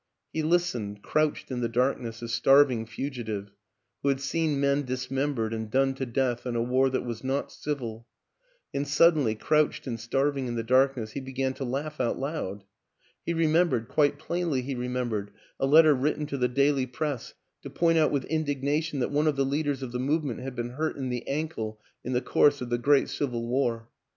He listened, crouched in the dark ness, a starving fugitive who had seen men dismembered and done to death in a war that was not civil; and suddenly, crouched and starv ing in the darkness, he began to laugh out loud. He remembered quite plainly he remembered a letter written to the daily Press to point out with indignation that one of the Leaders of the Movement had been hurt in the ankle in the course of the Great Civil War. .